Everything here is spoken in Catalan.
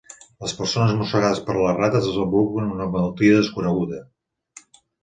Les persones mossegades per les rates desenvolupen una malaltia desconeguda.